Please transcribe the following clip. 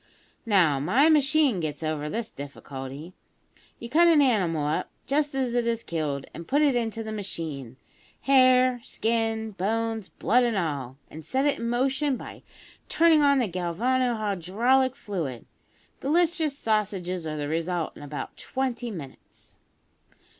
Now, my machine gets over this difficulty. You cut an animal up just as it is killed, and put it into the machine hair, skin, bones, blood, and all and set it in motion by turning on the galvano hydraulic fluid. Delicious sausages are the result in about twenty minutes.